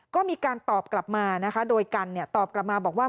ก็มีการตอบกลับมานะคะโดยกันตอบกลับมาบอกว่า